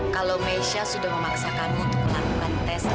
kalau mesha sudah memaksakanmu untuk melakukan tes dna